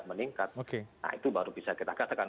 meningkat nah itu baru bisa kita katakan